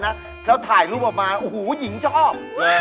แล้วถ่ายรูปออกมาโอ้โหหญิงชอบ